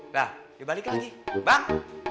lah balik lagi bang